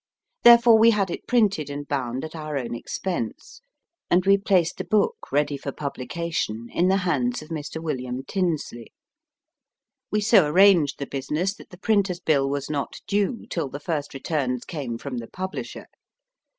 Therefore, we had it printed and bound at our own expense, and we placed the book, ready for publication, in the hands of Mr. William Tinsley. \Ve so arranged the business that the printer s bill was not due till the first returns came from the publisher.